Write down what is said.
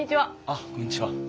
あっこんにちは。